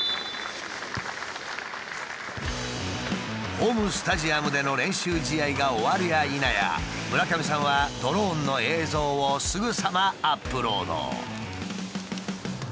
ホームスタジアムでの練習試合が終わるやいなや村上さんはドローンの映像をすぐさまアップロード。